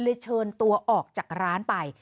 เชิญตัวออกจากร้านไป